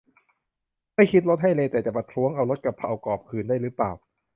ไม่คิดรสให้เลย์แต่จะประท้วงเอารสกระเพรากรอบคืนได้รึเปล่า